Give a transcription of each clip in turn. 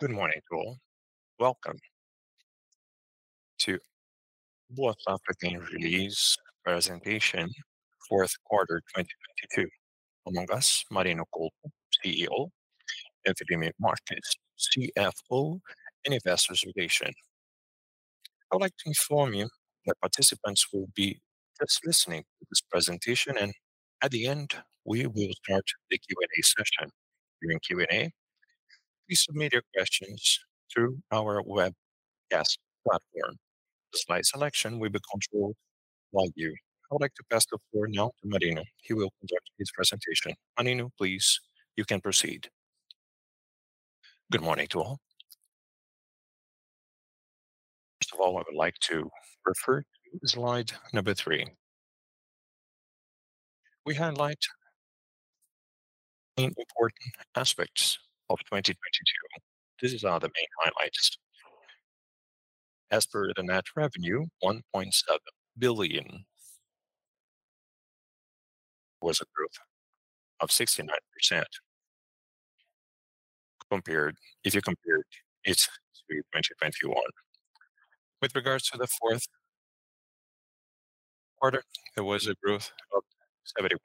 Good morning to all. Welcome to Boa Safra earnings release presentation, fourth quarter 2022. Among us, Marino Colpo, CEO, Felipe Marques, CFO, and Investor Relation. I would like to inform you that participants will be just listening to this presentation. At the end, we will start the Q&A session. During Q&A, please submit your questions through our web guest platform. The slide selection will be controlled live here. I would like to pass the floor now to Marino. He will conduct his presentation. Marino, please, you can proceed. Good morning to all. First of all, I would like to refer to slide number 3. We highlight the important aspects of 2022. These are the main highlights. As per the net revenue, 1.7 billion was a growth of 69% compared to 2021. With regards to the fourth quarter, there was a growth of 71%.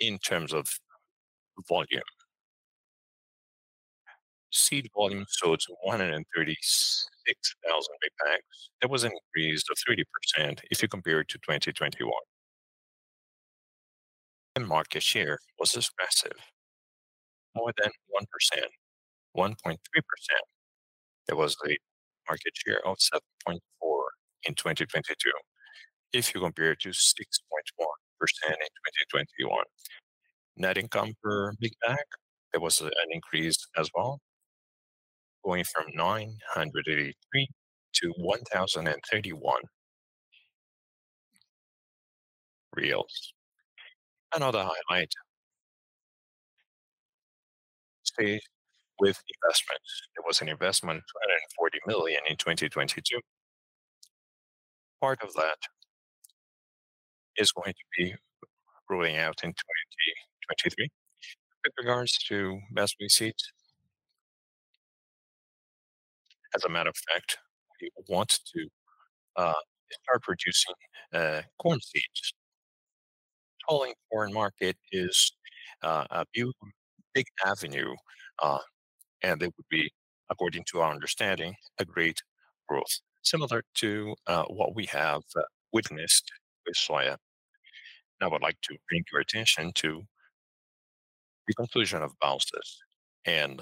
In terms of volume, seed volume sold to 136,000 big bags. That was an increase of 30% if you compare it to 2021. Market share was expressive, more than 1%, 1.3%. There was a market share of 7.4% in 2022 if you compare it to 6.1% in 2021. Net income per big bag, there was an increase as well, going from BRL 983-BRL 1,031. Highlight is with investment. There was an investment of 240 million in 2022. Part of that is going to be rolling out in 2023. With regards to masculinized seeds, as a matter of fact, we want to start producing corn seeds. Calling foreign market is a big, big avenue, and it would be, according to our understanding, a great growth, similar to what we have witnessed with soya. I would like to bring your attention to the conclusion of Balsas and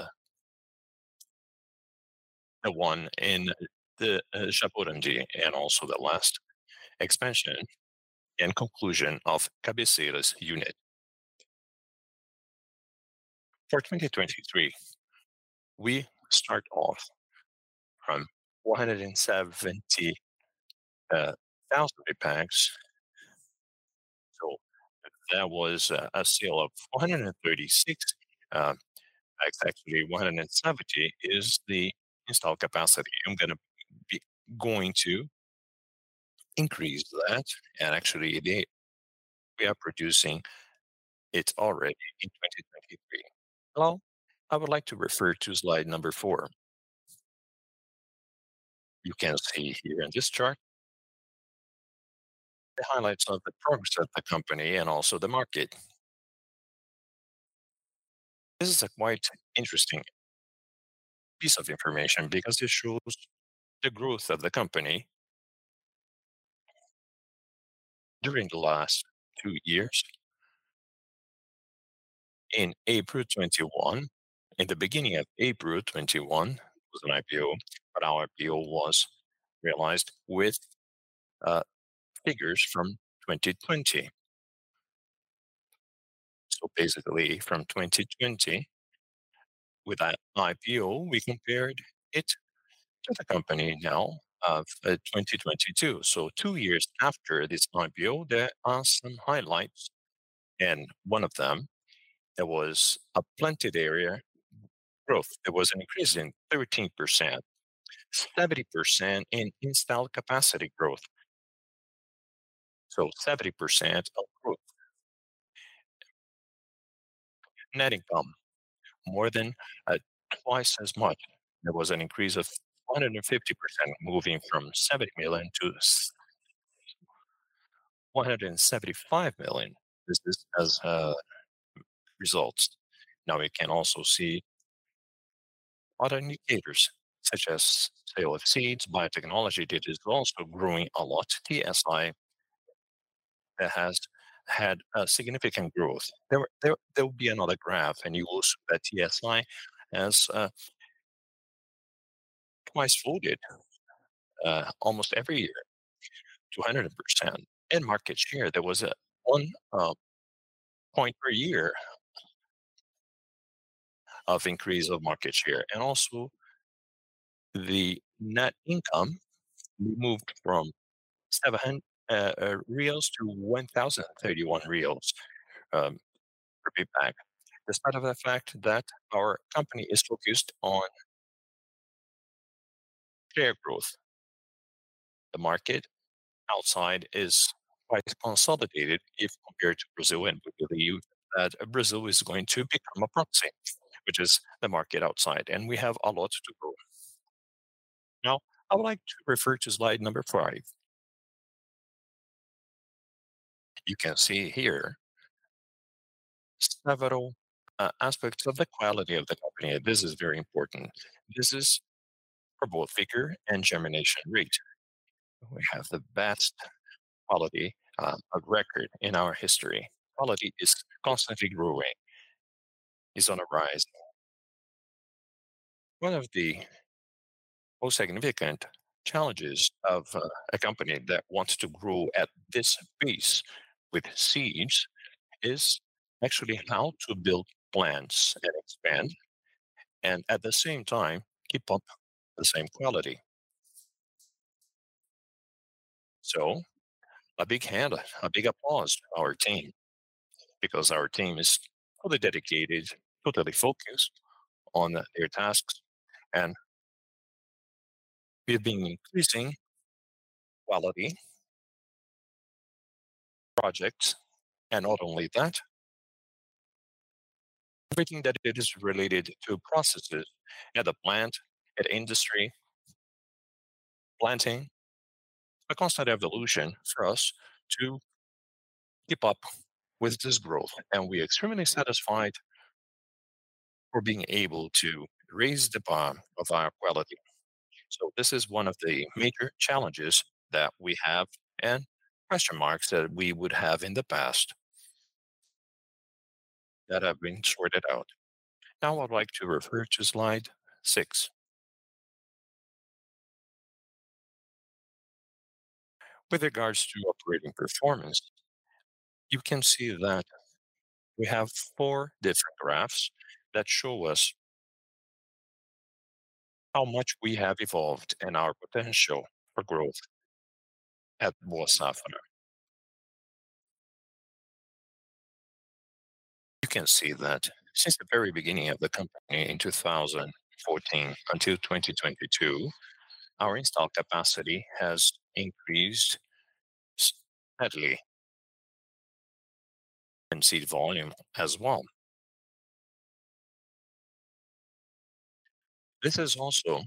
the one in the Chapadinha and also the last expansion and conclusion of Cabeceiras unit. 2023, we start off from 170 thousand big bags. There was a sale of 436. Actually 170 is the installed capacity. I'm going to increase that and actually today we are producing it already in 2023. I would like to refer to slide number 4. You can see here in this chart the highlights of the progress of the company and also the market. This is a quite interesting piece of information because it shows the growth of the company during the last 2 years. In April 21, in the beginning of April 21 was an IPO, but our IPO was realized with figures from 2020. Basically from 2020 with that IPO, we compared it to the company now of 2022. 2 years after this IPO, there are some highlights and one of them, there was a planted area growth. There was an increase in 13%, 70% in installed capacity growth. 70% of growth. Net income more than twice as much. There was an increase of 150% moving from 70 million-175 million. This is as results. We can also see other indicators such as sale of seeds, biotechnology that is also growing a lot. TSI has had a significant growth. There will be another graph and you will see that TSI has twice folded almost every year to 100%. Market share, there was a 1 point per year of increase of market share. Also the net income moved from 7-1,031 per big bag. Despite of the fact that our company is focused on share growth. The market outside is quite consolidated if compared to Brazil, and we believe that Brazil is going to become a proxy, which is the market outside, and we have a lot to grow. I would like to refer to slide number 5. You can see here several aspects of the quality of the company. This is very important. This is for both vigor and germination rate. We have the best quality of record in our history. Quality is constantly growing, is on a rise. One of the most significant challenges of a company that wants to grow at this pace with seeds is actually how to build plants and expand and at the same time keep up the same quality. A big hand, a big applause to our team because our team is totally dedicated, totally focused on their tasks. We've been increasing quality, projects, and not only that, everything that it is related to processes at the plant, at industry, planting. A constant evolution for us to keep up with this growth. We are extremely satisfied for being able to raise the bar of our quality. This is one of the major challenges that we have and question marks that we would have in the past that have been sorted out. I'd like to refer to slide 6. With regards to operating performance, you can see that we have 4 different graphs that show us how much we have evolved and our potential for growth at Boa Safra. You can see that since the very beginning of the company in 2014 until 2022, our install capacity has increased steadily and seed volume as well. This is also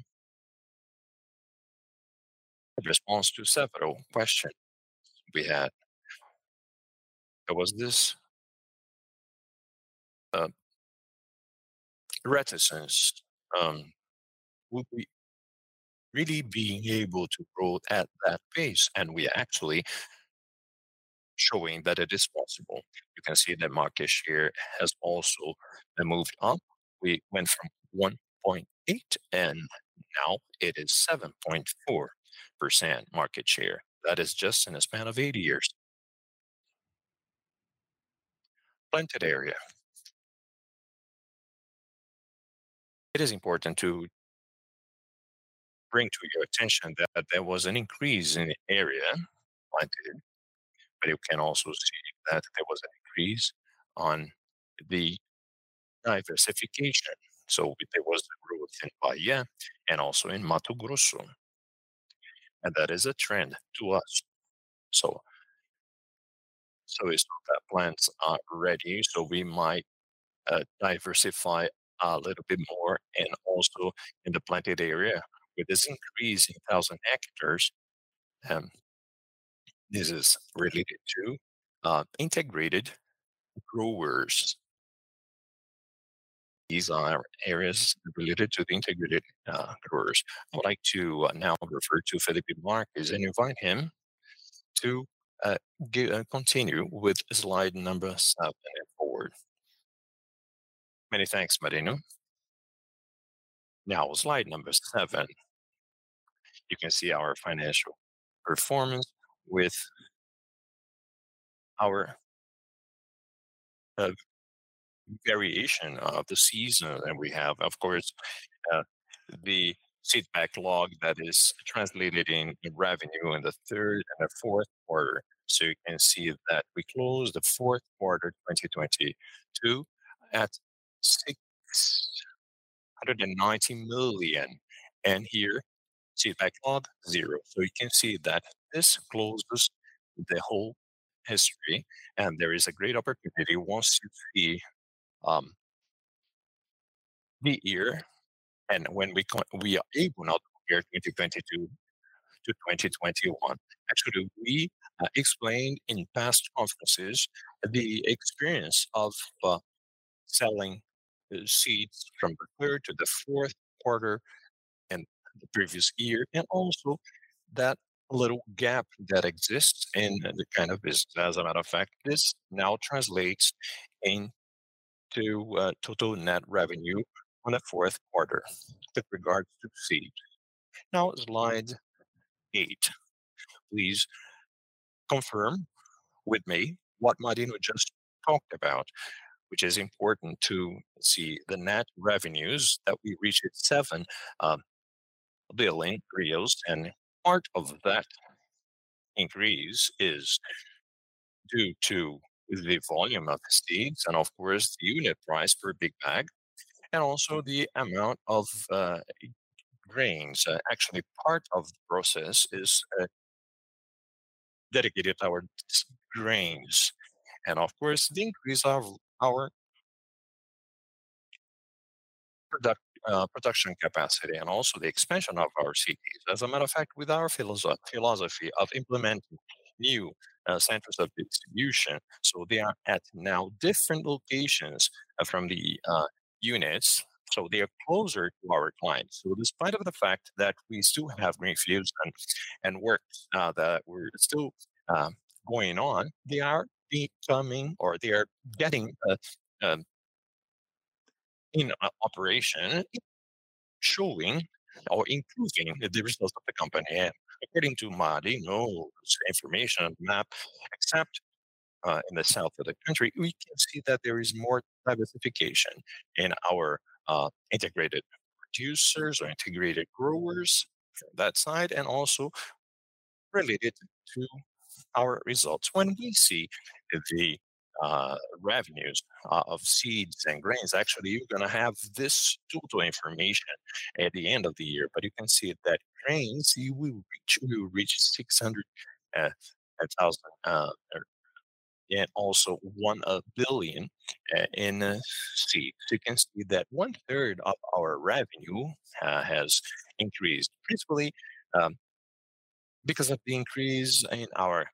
a response to several questions we had. There was this reticence, would we really be able to grow at that pace? We are actually showing that it is possible. You can see the market share has also moved up. We went from 1.8, and now it is 7.4% market share. That is just in a span of 8 years. Planted area. It is important to bring to your attention that there was an increase in area planted, but you can also see that there was an increase on the diversification. There was the growth in Bahia and also in Mato Grosso, and that is a trend to us. It's not that plants aren't ready, so we might diversify a little bit more and also in the planted area with this increase in 1,000 hectares. This is related to integrated growers. These are areas related to the integrated growers. I would like to now refer to Felipe Marques and invite him to continue with slide number 7 forward. Many thanks, Marino. Slide number 7. You can see our financial performance with our variation of the season that we have. Of course, the seed backlog that is translated in revenue in the 3rd and the 4th quarter. You can see that we closed the 4th quarter 2022 at 690 million, and here seed backlog 0. You can see that this closes the whole history, and there is a great opportunity once you see the year and when we are able now to compare 2022 to 2021. Actually, we explained in past conferences the experience of selling seeds from the third to the fourth quarter in the previous year and also that little gap that exists in the kind of business. As a matter of fact, this now translates into total net revenue on the fourth quarter with regards to seed. Now slide 8. Please confirm with me what Marino just talked about, which is important to see the net revenues that we reached at 7 billion and part of that increase is due to the volume of the seeds, and of course, the unit price per big bag, and also the amount of grains. Actually part of the process is dedicated toward grains. Of course, the increase of our production capacity and also the expansion of our cities. As a matter of fact, with our philosophy of implementing new centers of distribution, they are at now different locations from the units, they are closer to our clients. Despite of the fact that we still have greenfields and works that we're still going on, they are becoming or they are getting a in operation, showing or improving the results of the company. According to Marino's information map, except in the south of the country, we can see that there is more diversification in our integrated producers or integrated growers from that side, and also related to our results. When we see the revenues of seeds and grains, actually you're gonna have this total information at the end of the year. You can see that grains, we will reach 600,000, and also 1 billion in seeds. You can see that 1/3 of our revenue has increased principally because of the increase in our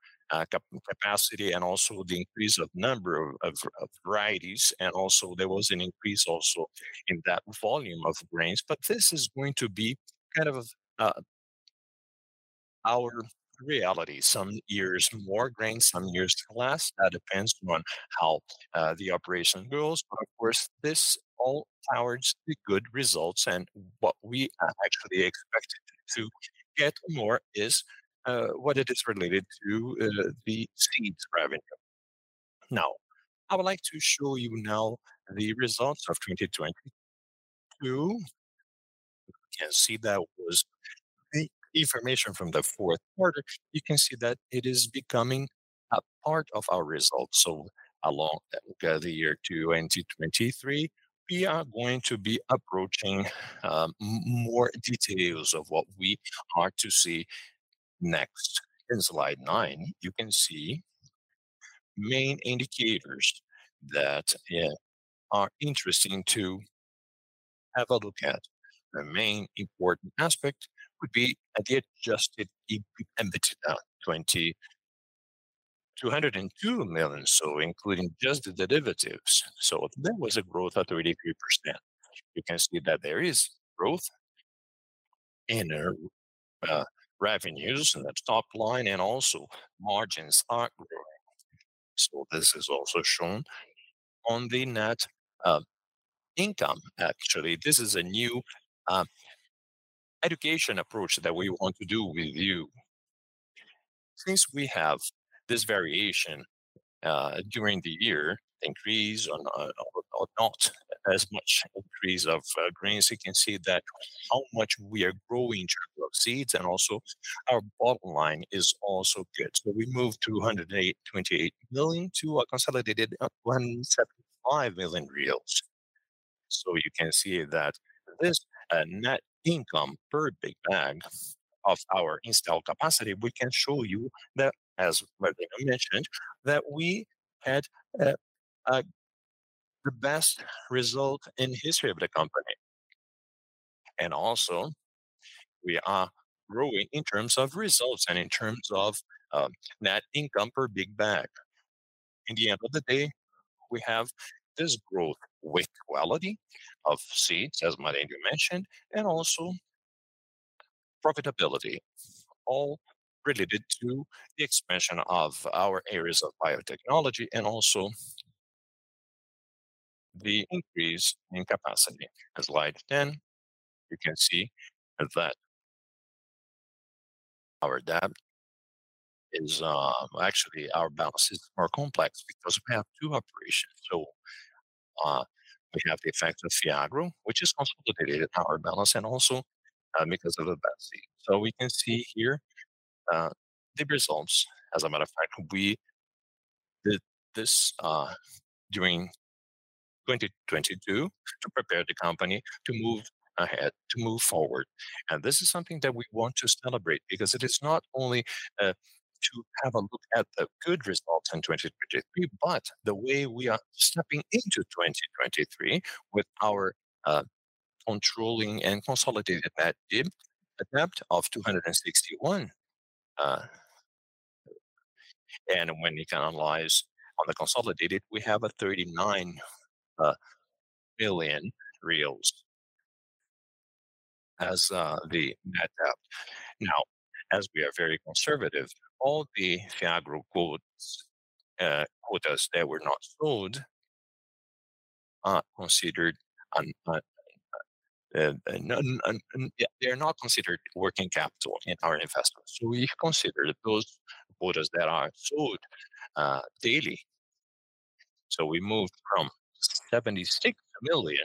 capacity and also the increase of number of varieties. There was an increase in that volume of grains. This is going to be kind of our reality. Some years more grains, some years less. Depends on how the operation goes. Of course, this all towards the good results and what we are actually expecting to get more is what it is related to the seeds revenue. I would like to show you now the results of 2022. You can see that was the information from the fourth quarter. You can see that it is becoming a part of our results. Along the year 2023, we are going to be approaching more details of what we are to see next. In slide 9, you can see main indicators that are interesting to have a look at. The main important aspect would be the adjusted EBITDA, 2,202 million, including just the derivatives. There was a growth of 33%. You can see that there is growth in our revenues and that top line and also margins are growing. This is also shown on the net income. Actually, this is a new education approach that we want to do with you. Since we have this variation, during the year, increase on, or not as much increase of, grains, you can see that how much we are growing through seeds and also our bottom line is also good. We moved 208.8 million to a consolidated 175 million. You can see that this net income per big bag of our installed capacity, we can show you that, as Marino mentioned, that we had the best result in history of the company. Also, we are growing in terms of results and in terms of net income per big bag. In the end of the day, we have this growth with quality of seeds, as Marino mentioned, and also profitability, all related to the expansion of our areas of biotechnology and also the increase in capacity. In slide 10, you can see that our debt is, actually our balance is more complex because we have two operations. We have the effect of FIAGRO, which is consolidated to our balance and also, because of the bad seed. We can see here, the results. As a matter of fact, we did this during 2022 to prepare the company to move ahead, to move forward. This is something that we want to celebrate because it is not only to have a look at the good results in 2023, but the way we are stepping into 2023 with our controlling and consolidated net debt of BRL 261. When you can analyze on the consolidated, we have a 39 billion as the net debt. As we are very conservative, all the FIAGRO quotas that were not sold are not considered working capital in our investment. We consider those quotas that are sold daily. We moved from 76 million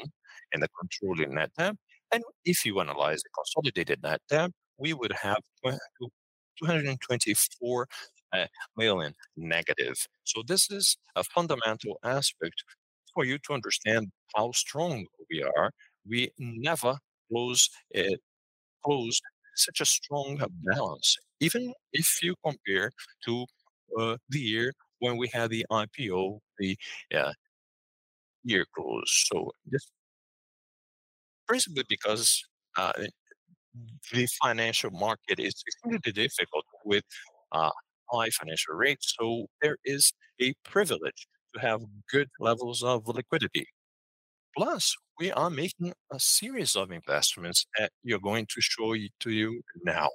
in the controlling net debt, and if you analyze the consolidated net debt, we would have 224 million negative. This is a fundamental aspect for you to understand how strong we are. We never closed such a strong balance, even if you compare to the year when we had the IPO, the year close. Firstly, because the financial market is extremely difficult with high financial rates, so there is a privilege to have good levels of liquidity. We are making a series of investments we are going to show you now.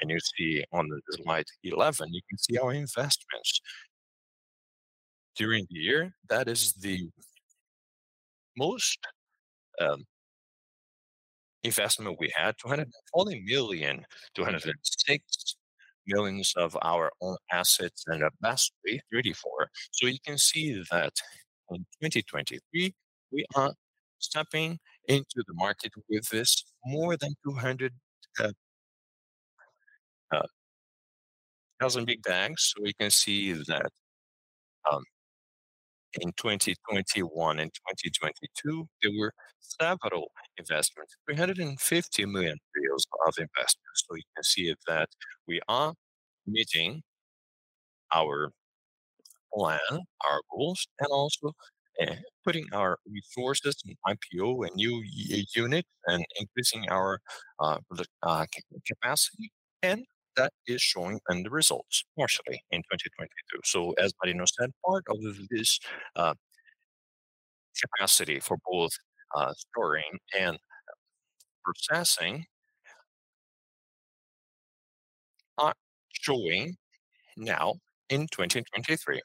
You see on slide 11, you can see our investments. During the year, that is the most investment we had, 240 million, 206 million of our own assets and a mastery, 34. You can see that in 2023, we are stepping into the market with this more than 200,000 big bags. We can see that in 2021 and 2022, there were several investments, BRL 350 million of investments. You can see that we are meeting our plan, our goals, and also putting our resources in IPO, a new unit, and increasing our capacity, and that is showing in the results partially in 2022. As Marino said, part of this capacity for both storing and processing are showing now in 2023.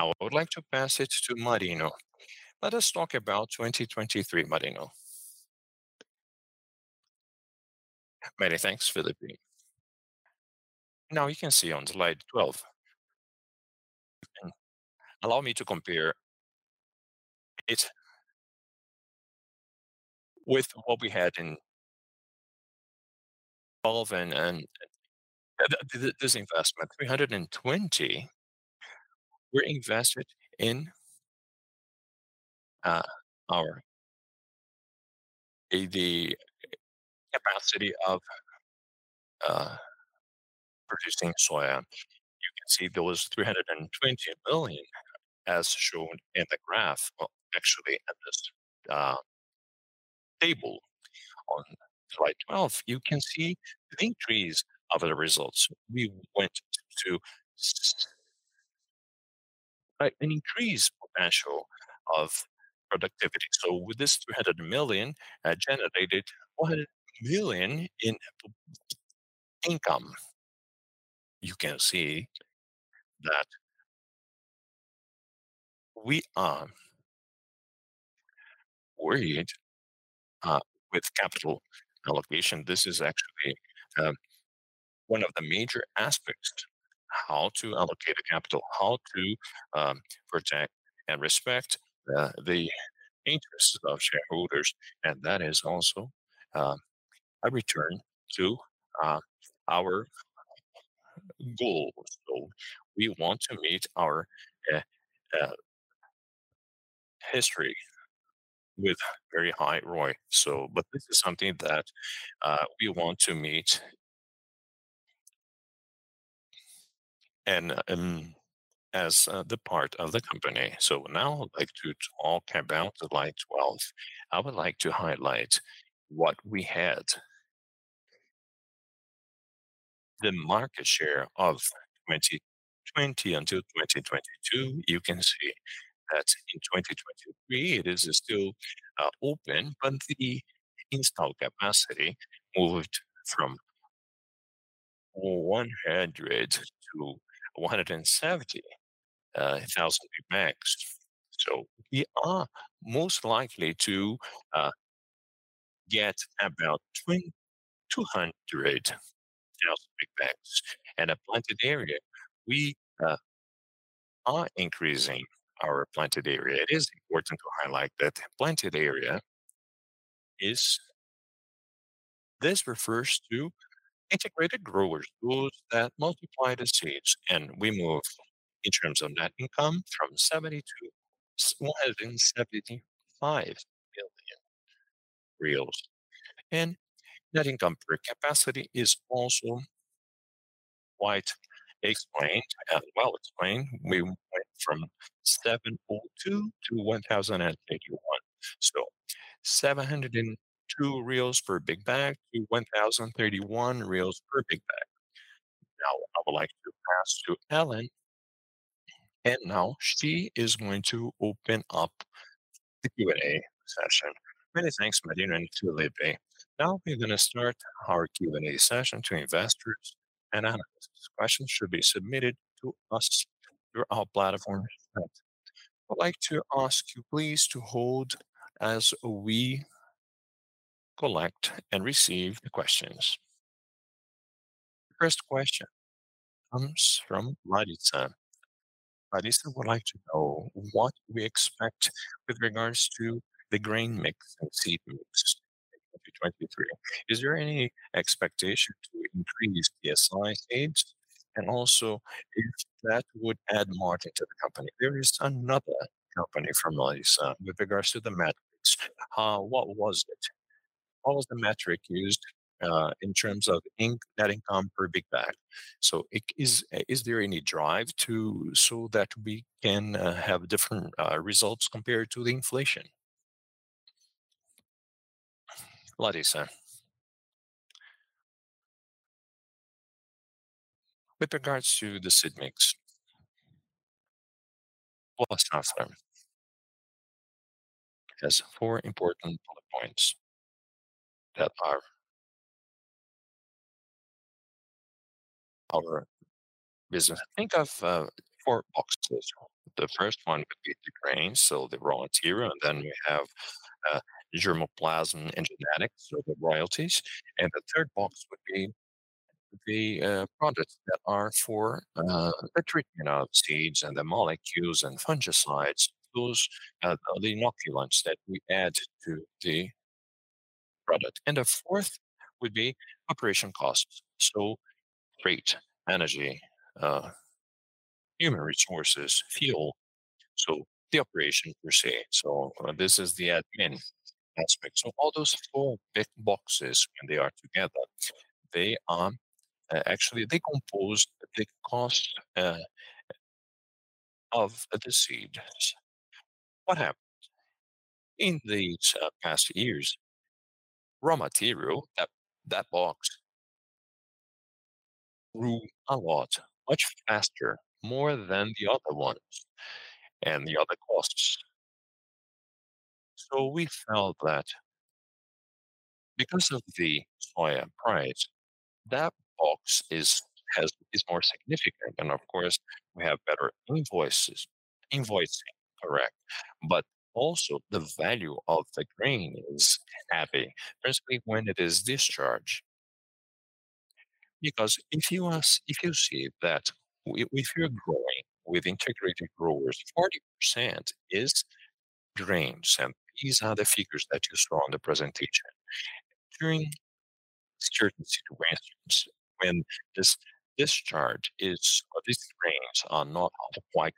I would like to pass it to Marino. Let us talk about 2023, Marino. Many thanks, Felipe. You can see on slide 12. You can allow me to compare it with what we had in 12 and this investment. 320 were invested in our capacity of producing soya. You can see there was 320 million as shown in the graph. Well, actually, at this table on slide 12, you can see the increase of the results. We went to an increase potential of productivity. With this 300 million generated 100 million in income. You can see that we are worried with capital allocation. This is actually, one of the major aspects, how to allocate a capital, how to protect and respect the interests of shareholders, and that is also a return to our goal. We want to meet our history with very high ROI. This is something that we want to meet and as the part of the company. Now I'd like to talk about slide 12. I would like to highlight what we had. The market share of 2020 until 2022, you can see that in 2023, it is still open, but the installed capacity moved from 100,000 big bags-170,000 big bags. We are most likely to get about 2,200,000 big bags. A planted area, we are increasing our planted area. It is important to highlight that planted area is. This refers to integrated growers, those that multiply the seeds. We move in terms of net income from 70 million-175 million reais. Net income per capacity is also quite explained, well explained. We went from 7.2-1,081. 702-1,031 per big bag. I would like to pass to Ellen. She is going to open up the Q&A session. Many thanks, Marino and Felipe. We're going to start our Q&A session to investors and analysts. Questions should be submitted to us through our platform. I'd like to ask you please to hold as we collect and receive the questions. The first question comes from Larisa. Larisa would like to know what we expect with regards to the grain mix and seed mix in 2023. Is there any expectation to increase TSI sales? Also if that would add margin to the company. There is another company from Larisa with regards to the metrics. What was it? What was the metric used in terms of net income per big bag? Is there any drive to... so that we can have different results compared to the inflation? Larisa, with regards to the seed mix, we'll start from... There's four important bullet points that are our business. Think of four boxes. The first one would be the grain, so the raw material, and then we have germplasm and genetics, so the royalties. The third box would be the products that are for the treatment of seeds and the molecules and fungicides. Those are the inoculants that we add to the product. The fourth would be operation costs. Freight, energy, human resources, fuel. The operation per se. This is the admin aspect. All those four big boxes, when they are together, actually they compose the cost of the seeds. What happens? In the past years, raw material, that box grew a lot, much faster, more than the other ones and the other costs. We felt that because of the soya price, that box is more significant. Of course, we have better invoicing, correct. Also the value of the grain is happy, especially when it is discharged. If you see that with your growing, with integrated growers, 40% is grains. These are the figures that you saw on the presentation. During uncertain situations when this discharge is, or these grains are not of the quite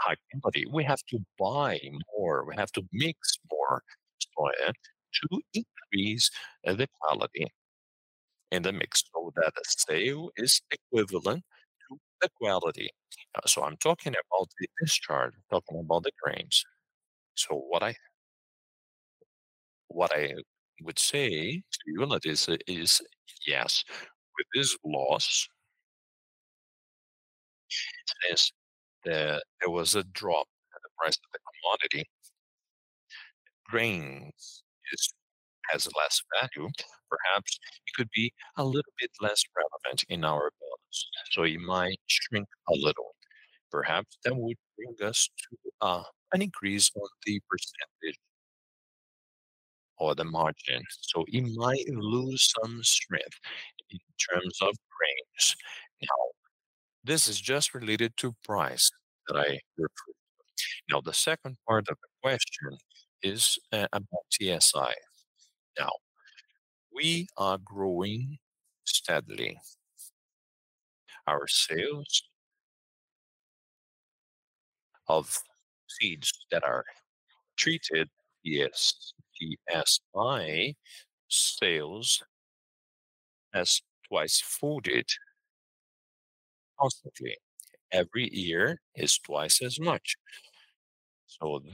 high quality, we have to buy more, we have to mix more soya to increase the quality in the mix so that the sale is equivalent to the quality. I'm talking about the discharge, I'm talking about the grains. What I would say to you, Larisa, is yes, with this loss, is that there was a drop in the price of the commodity. Grains has less value. Perhaps it could be a little bit less relevant in our balance. It might shrink a little. Perhaps that would bring us to an increase on the percentage or the margin. It might lose some strength in terms of grains. This is just related to price that I referred to. The second part of the question is about TSI. We are growing steadily. Our sales of seeds that are treated, yes, TSI sales has twice folded constantly. Every year is twice as much.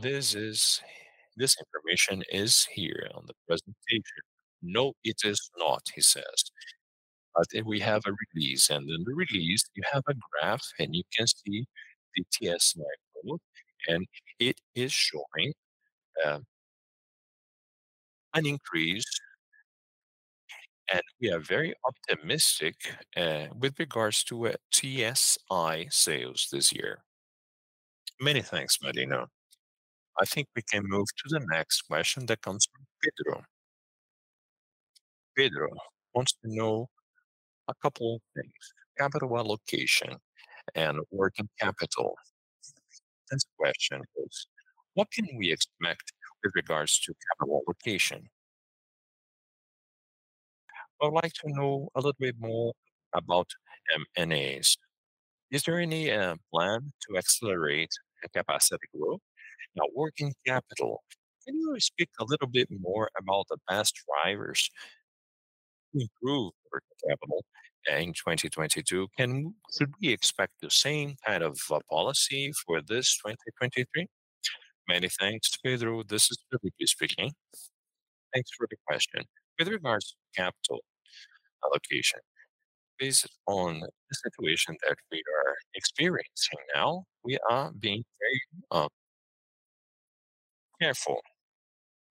This information is here on the presentation. No, it is not, he says. We have a release, and in the release you have a graph, and you can see the TSI growth, and it is showing an increase, and we are very optimistic with regards to TSI sales this year. Many thanks, Marino. I think we can move to the next question that comes from Pedro. Pedro wants to know a couple things, capital allocation and working capital. The next question is, what can we expect with regards to capital allocation? I would like to know a little bit more about M&As. Is there any plan to accelerate the capacity growth? Working capital, can you speak a little bit more about the past drivers to improve working capital in 2022, and should we expect the same kind of policy for this 2023? Many thanks, Pedro. This is Felipe speaking. Thanks for the question. With regards to capital allocation, based on the situation that we are experiencing now, we are being very careful,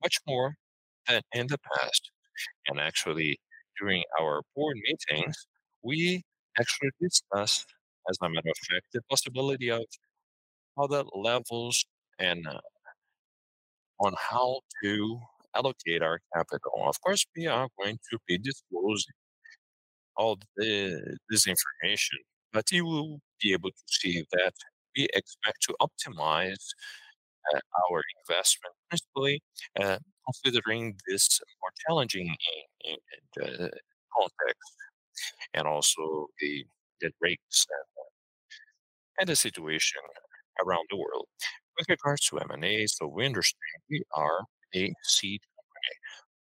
much more than in the past. Actually, during our board meetings, we actually discussed, as a matter of fact, the possibility of other levels on how to allocate our capital. Of course, we are going to be disclosing all the, this information, but you will be able to see that we expect to optimize our investment principally considering this more challenging context and also the rates and the situation around the world. With regards to M&A, we understand we are a seed company.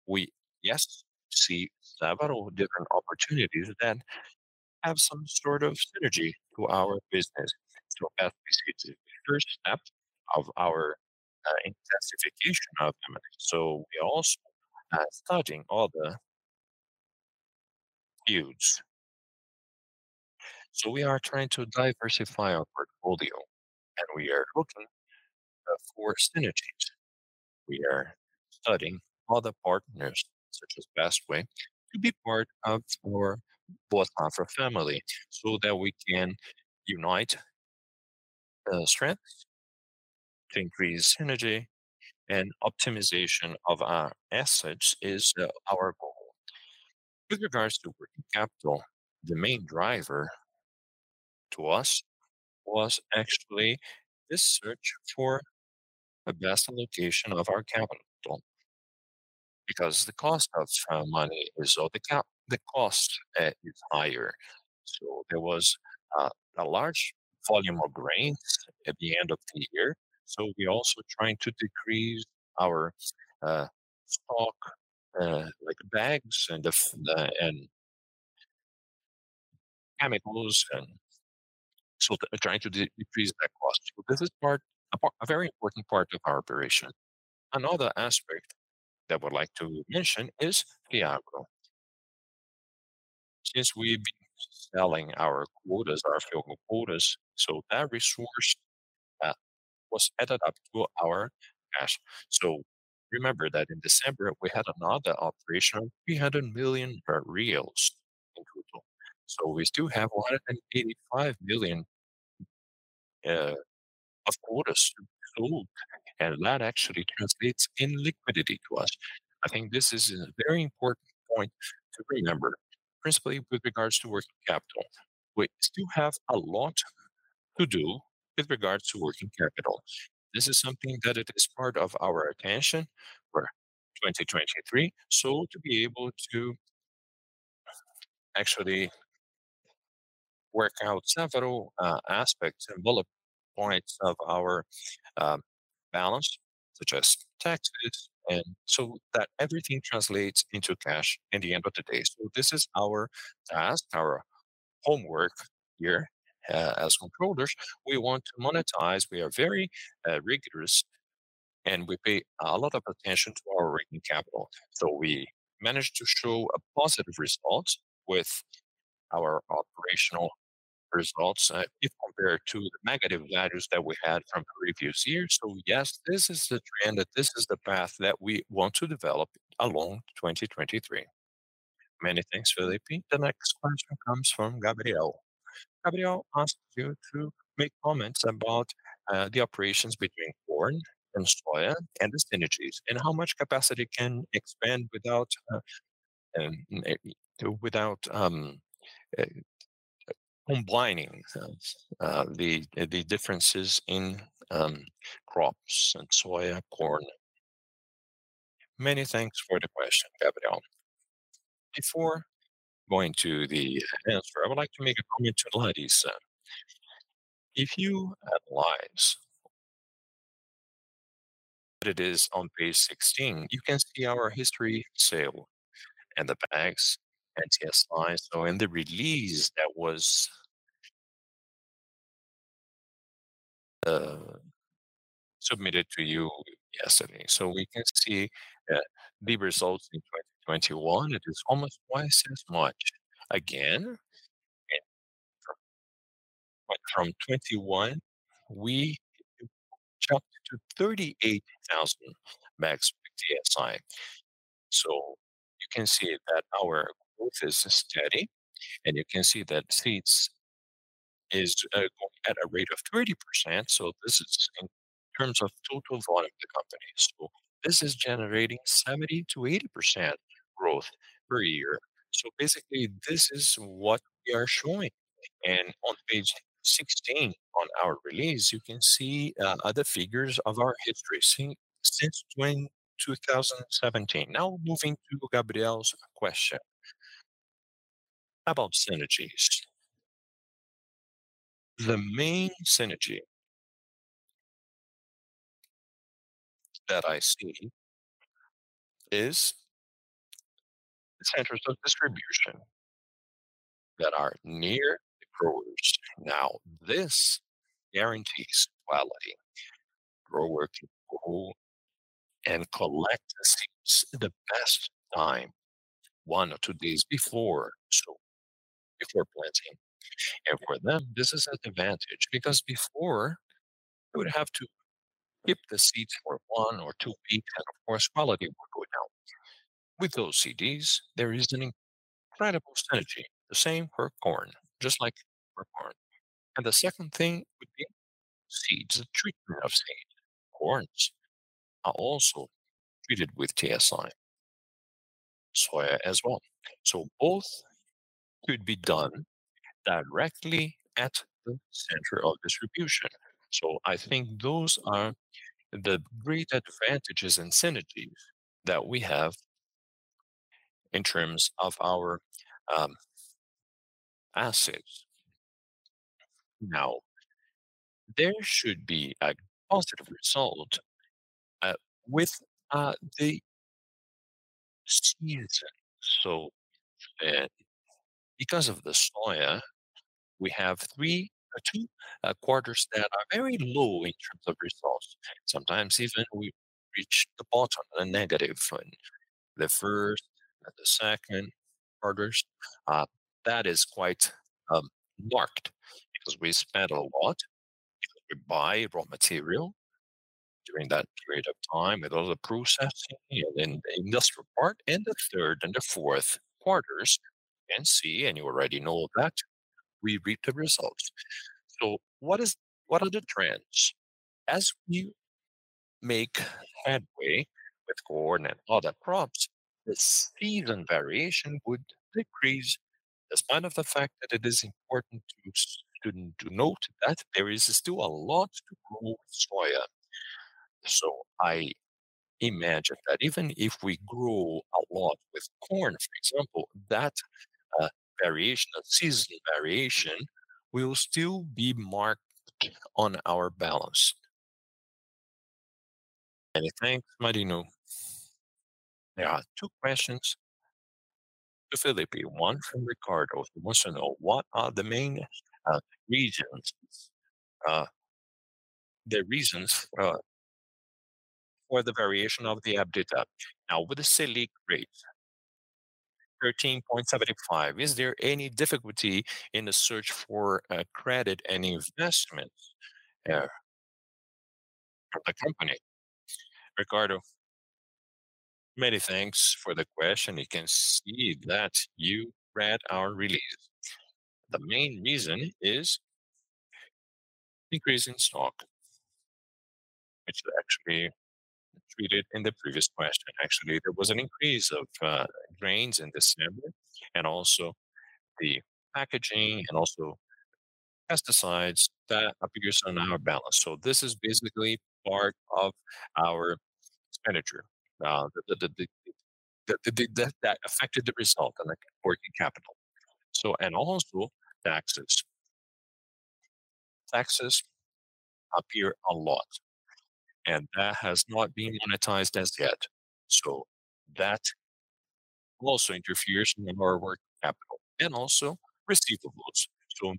We, yes, see several different opportunities that have some sort of synergy to our business. FBC is the first step of our intensification of M&A. We're also studying other fields. We are trying to diversify our portfolio, and we are looking for synergies. We are studying other partners, such as Bestway Seeds, to be part of our Boticá family so that we can unite strengths to increase synergy and optimization of our assets is our goal. With regards to working capital, the main driver to us was actually this search for the best allocation of our capital because the cost of money is... The cost is higher. There was a large volume of grain at the end of the year, we're also trying to decrease our stock, like bags and chemicals and trying to decrease that cost. This is a very important part of our operation. Another aspect that I would like to mention is FIAGRO. Since we've been selling our quotas, our fund quotas, that resource was added up to our cash. Remember that in December, we had another operation, 300 million in total. We still have 185 million of quotas to be sold, and that actually translates in liquidity to us. I think this is a very important point to remember, principally with regards to working capital. We still have a lot to do with regards to working capital. This is something that it is part of our attention for 2023. To be able to actually work out several aspects and bullet points of our balance, such as taxes, and so that everything translates into cash at the end of the day. This is our task, our homework here. As controllers, we want to monetize. We are very rigorous, and we pay a lot of attention to our working capital. We managed to show a positive result with our operational results, if compared to the negative values that we had from the previous years. Yes, this is the trend that this is the path that we want to develop along 2023. Many thanks, Felipe. The next question comes from Gabriel. Gabriel asks you to make comments about the operations between corn and soya and the synergies and how much capacity can expand without combining the differences in crops and soya, corn. Many thanks for the question, Gabriel. Before going to the answer, I would like to make a comment to Larisa. If you slide that it is on page 16, you can see our history sale and the bags and TSI. In the release that was submitted to you yesterday. We can see the results in 2021, it is almost twice as much. Again, from 2021, we jumped to 38,000 max with TSI. You can see that our growth is steady, and you can see that seeds is growing at a rate of 30%. This is in terms of total volume of the company. This is generating 70%-80% growth per year. Basically, this is what we are showing. On page 16 on our release, you can see other figures of our history since 2017. Moving to Gabriel's question about synergies. The main synergy that I see is the centers of distribution that are near the growers. This guarantees quality. Grower can go and collect the seeds the best time, one or two days before, so before planting. For them, this is an advantage because before, they would have to keep the seeds for one or two weeks, and of course, quality would go down. With those CDs, there is an incredible synergy. The same for corn. The second thing would be seeds. The treatment of seeds and corn are also treated with TSI, soya as well. Both could be done directly at the center of distribution. I think those are the great advantages and synergies that we have in terms of our assets. There should be a positive result with the season. Because of the soya, we have three or two quarters that are very low in terms of results. Sometimes even we reach the bottom, a negative one, the first and the second quarters. That is quite marked because we spend a lot. We buy raw material during that period of time with all the processing and the industrial part. The third and the fourth quarters, you can see, and you already know that, we reap the results. What are the trends? As we make headway with corn and other crops, the season variation would decrease despite of the fact that it is important to note that there is still a lot to grow with soya. I imagine that even if we grow a lot with corn, for example, that variation, that seasonal variation will still be marked on our balance. Many thanks, Marino. There are two questions to Felipe, one from Ricardo, who wants to know what are the main regions, the reasons, for the variation of the EBITDA. With a SELIC rate 13.75, is there any difficulty in the search for credit and investments for the company? Ricardo, many thanks for the question. You can see that you read our release. The main reason is decrease in stock, which was actually treated in the previous question. Actually, there was an increase of grains in December, and also the packaging and also pesticides that appears on our balance. This is basically part of our expenditure that affected the result on the working capital. Also taxes. Taxes appear a lot, and that has not been monetized as yet. That also interferes in our working capital and also receivables.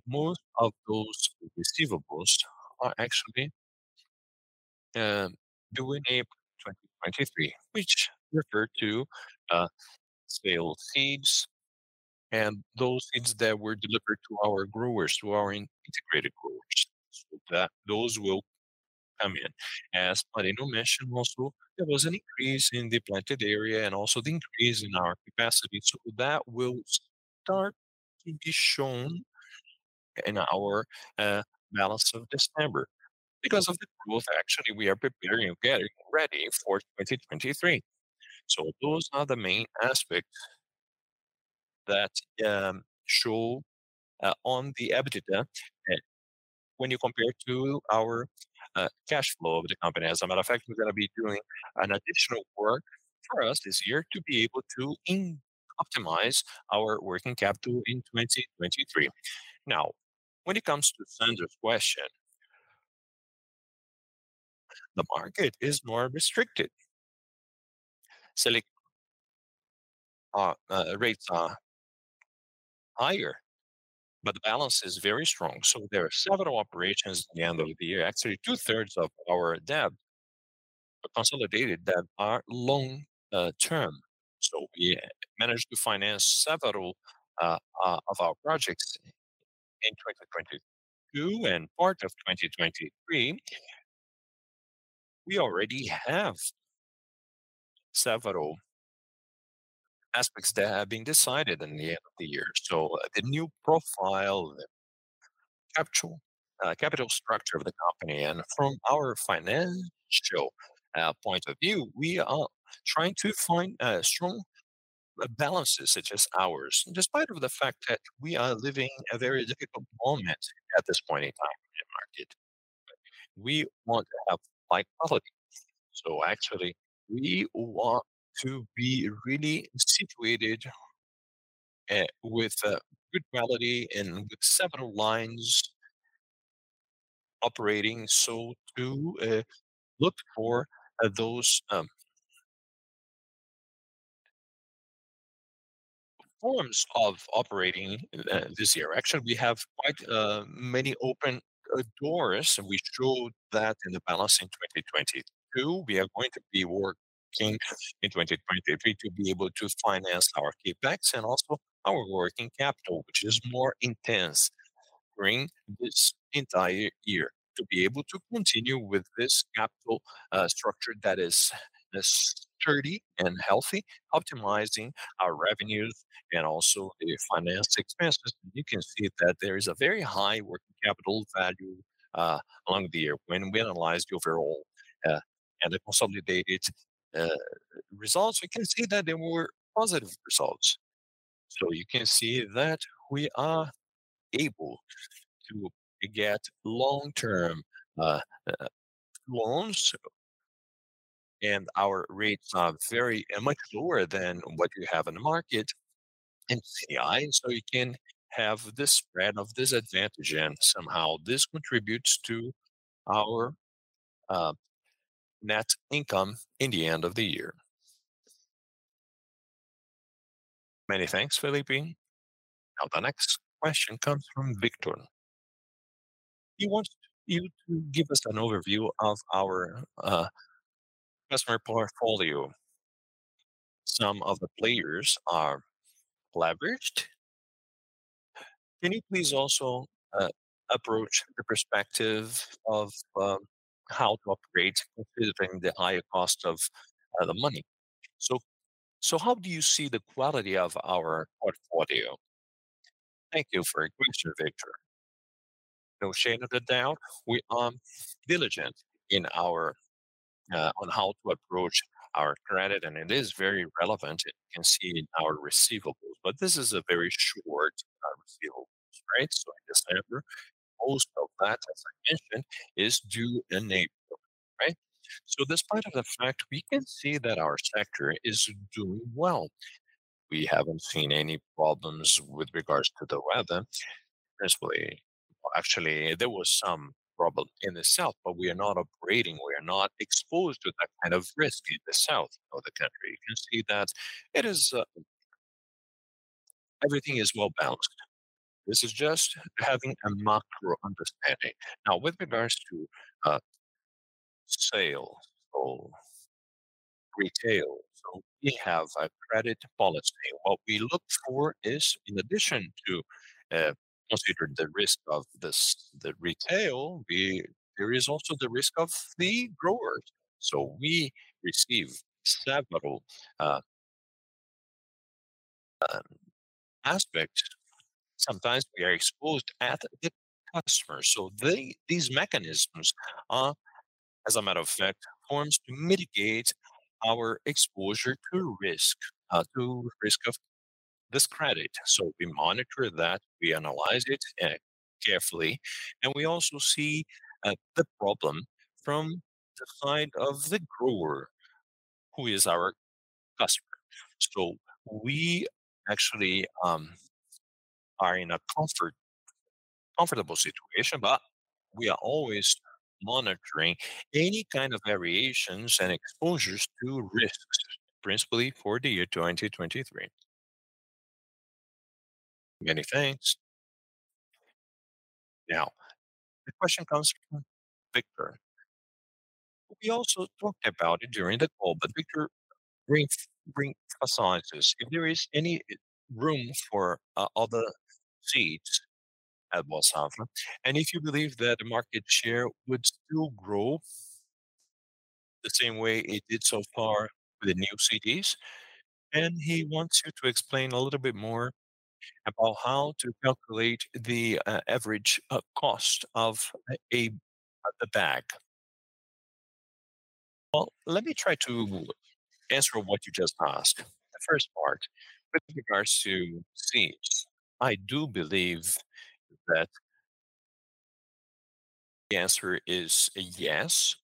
Most of those receivables are actually due in April 2023, which refer to sale seeds and those seeds that were delivered to our growers, to our integrated growers, that those will come in. As Marino mentioned also, there was an increase in the planted area and also the increase in our capacity. That will start to be shown in our balance of December. Because of the growth, actually, we are preparing, getting ready for 2023. Those are the main aspects that show on the EBITDA when you compare to our cash flow of the company. As a matter of fact, we're gonna be doing an additional work for us this year to be able to optimize our working capital in 2023. When it comes to Sandro's question, the market is more restricted. SELIC rates are higher, the balance is very strong. There are several operations at the end of the year. Actually, two-thirds of our debt, the consolidated debt, are long term. We managed to finance several of our projects in 2022 and part of 2023. We already have several aspects that have been decided in the end of the year. The new profile, the capital structure of the company. From our financial point of view, we are trying to find strong balances such as ours, despite of the fact that we are living a very difficult moment at this point in time in the market. We want to have high quality. Actually, we want to be really situated with a good quality and with several lines operating. To look for those forms of operating in this year. Actually, we have quite many open doors, and we showed that in the balance in 2022. We are going to be working in 2023 to be able to finance our CapEx and also our working capital, which is more intense during this entire year, to be able to continue with this capital structure that is this sturdy and healthy, optimizing our revenues and also the financial expenses. You can see that there is a very high working capital value on the year when we analyzed the overall and the consolidated results, we can see that there were positive results. You can see that we are able to get long-term loans and our rates are much lower than what you have in the market in CDI. Many thanks, Felipe. The next question comes from Victor. He wants you to give us an overview of our customer portfolio. Some of the players are leveraged. Can you please also approach the perspective of how to operate considering the higher cost of the money? How do you see the quality of our portfolio? Thank you for your question, Victor. No shade of the doubt, we are diligent in our on how to approach our credit, and it is very relevant. You can see in our receivables. This is a very short, receivables rate. In December, most of that, as I mentioned, is due in April, right? Despite of the fact, we can see that our sector is doing well. We haven't seen any problems with regards to the weather. Actually, there was some problem in the south, but we are not operating, we are not exposed to that kind of risk in the south of the country. You can see that it is, everything is well-balanced. This is just having a macro understanding. With regards to, sales or retail. We have a credit policy. What we look for is, in addition to, considering the risk of the retail, there is also the risk of the growers. We receive several, aspects. Sometimes we are exposed at the customer. These mechanisms are, as a matter of fact, forms to mitigate our exposure to risk of this credit. We monitor that, we analyze it carefully, and we also see the problem from the side of the grower who is our customer. We actually are in a comfortable situation, but we are always monitoring any kind of variations and exposures to risks, principally for the year 2023. Many thanks. The question comes from Victor. We also talked about it during the call, but Victor brings to our scientists if there is any room for other seeds at Boa Safra, and if you believe that the market share would still grow the same way it did so far with the new CDs. He wants you to explain a little bit more about how to calculate the average cost of a bag. Well, let me try to answer what you just asked. The first part, with regards to seeds, I do believe that the answer is a yes.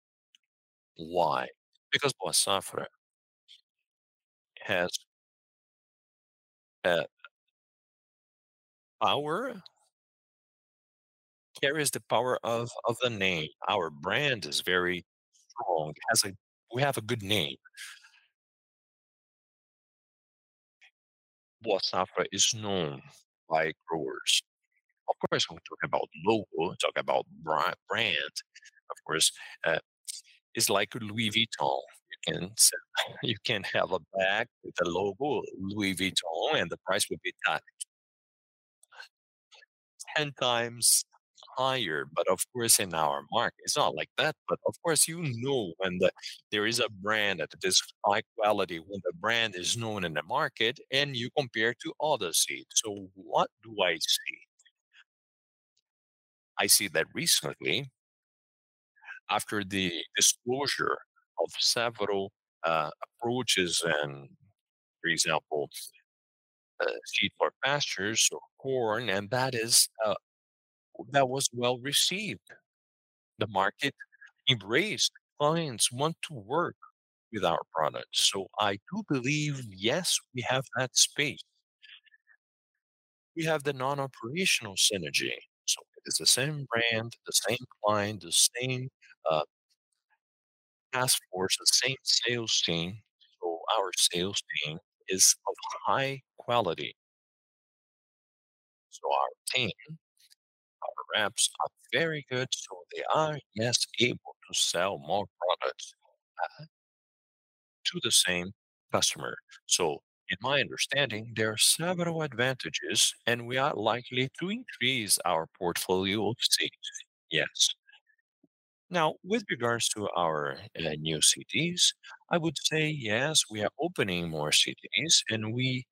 Why? Because Boa Safra has a power. There is the power of the name. Our brand is very strong. We have a good name. Boa Safra is known by growers. Of course, when we talk about logo, talk about brand, of course, it's like Louis Vuitton. You can have a bag with a logo Louis Vuitton, and the price would be 10 times higher. Of course, in our market, it's not like that. Of course, you know when there is a brand that is high quality, when the brand is known in the market, and you compare to other seeds. What do I see? I see that recently, after the disclosure of several approaches and for example, seed for pastures or corn, and that is that was well-received. The market embraced. Clients want to work with our products. I do believe, yes, we have that space. We have the non-operational synergy. It is the same brand, the same client, the same task force, the same sales team. Our sales team is of high quality. Our team, our reps are very good. They are, yes, able to sell more products to the same customer. In my understanding, there are several advantages, and we are likely to increase our portfolio of seeds. Yes. Now, with regards to our new cities, I would say yes, we are opening more cities and we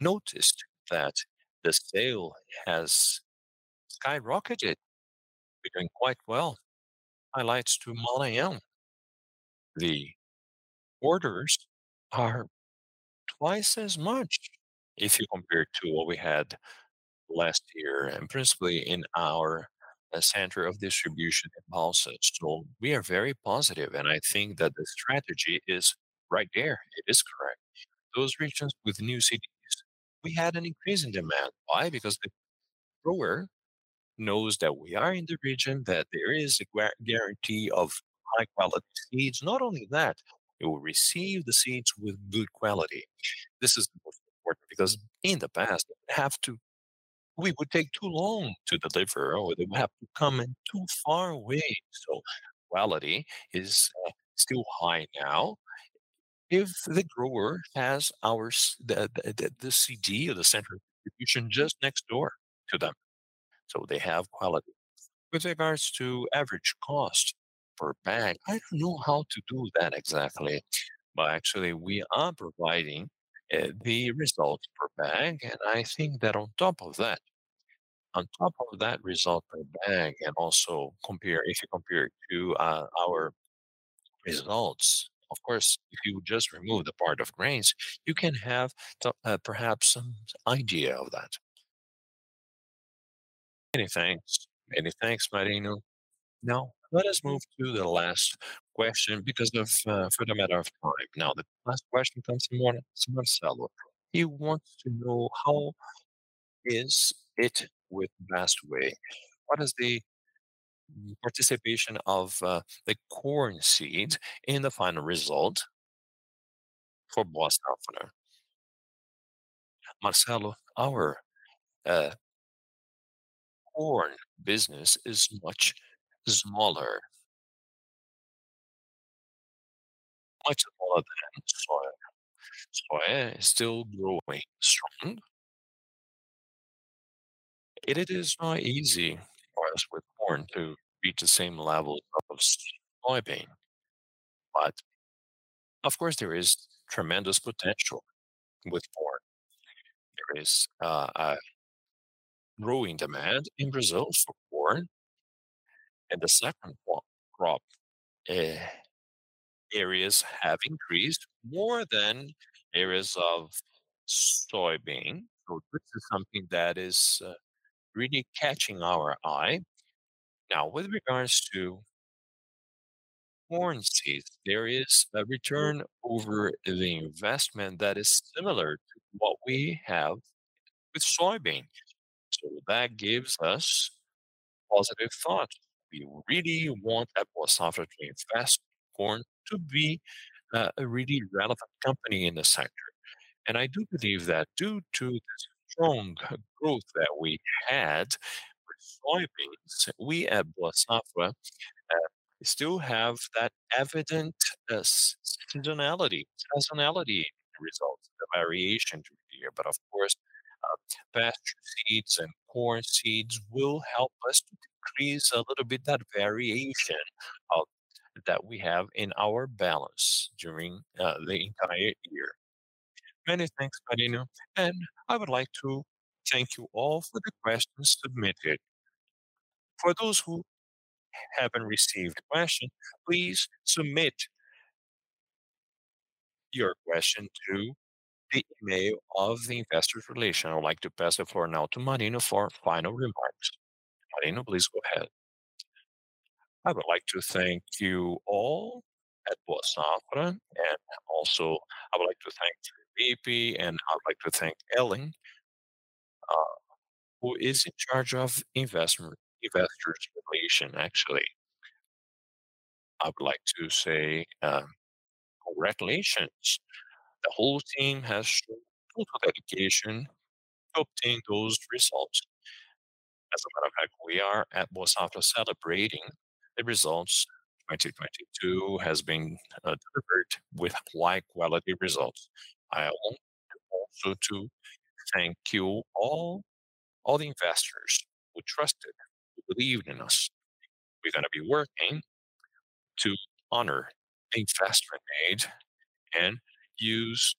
noticed that the sale has skyrocketed. We're doing quite well. Highlights to Malhada. The orders are twice as much if you compare to what we had last year and principally in our center of distribution in Balsas. We are very positive, and I think that the strategy is right there. It is correct. Those regions with new CDs, we had an increase in demand. Why? Because the grower knows that we are in the region, that there is a guarantee of high-quality seeds. Not only that, they will receive the seeds with good quality. This is the most important because in the past, we would take too long to deliver or they would have to come in too far away. Quality is still high now. If the grower has our the CD or the center of distribution just next door to them, they have quality. With regards to average cost per bag, I don't know how to do that exactly. Actually we are providing the results per bag, and I think that on top of that, on top of that result per bag and also compare, if you compare to our results, of course, if you just remove the part of grains, you can have some perhaps some idea of that. Many thanks. Many thanks, Marino. Let us move to the last question because of, for the matter of time now. The last question comes from Marcelo. He wants to know how is it with Bestway? What is the participation of the corn seeds in the final result for Boa Safra? Marcelo, our corn business is much smaller. Much smaller than soy. Soy is still growing strong. It is not easy for us with corn to reach the same level of soybean. Of course, there is tremendous potential with corn. There is a growing demand in Brazil for corn. The second one, crop areas have increased more than areas of soybean. This is something that is really catching our eye. With regards to corn seeds, there is a return over the investment that is similar to what we have with soybeans. That gives us positive thought. We really want that Boa Safra to invest corn to be a really relevant company in the sector. I do believe that due to this strong growth that we had with soybeans, we at Boa Safra still have that evident seasonality results, the variation during the year. Of course, pasture seeds and corn seeds will help us to decrease a little bit that variation that we have in our balance during the entire year. Many thanks, Marino. I would like to thank you all for the questions submitted. For those who haven't received question, please submit your question to the email of the investor relations. I would like to pass the floor now to Marino for final remarks. Marino, please go ahead. I would like to thank you all at Boa Safra. Also, I would like to thank B3. I would like to thank Ellen, who is in charge of Investor Relations, actually. I would like to say congratulations. The whole team has shown total dedication to obtain those results. We are at Boa Safra celebrating the results. 2022 has been delivered with high-quality results. I want also to thank all the investors who trusted, who believed in us. We're gonna be working to honor the trust we made and use